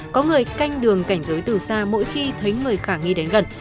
có người canh đường cảnh giới từ xa mỗi khi thấy người khả nghi đến gần